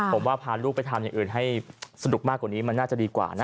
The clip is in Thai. ผมว่าพาลูกไปทำอย่างอื่นให้สนุกมากกว่านี้มันน่าจะดีกว่านะ